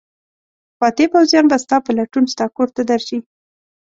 فاتح پوځیان به ستا په لټون ستا کور ته درشي.